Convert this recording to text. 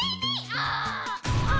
ああ。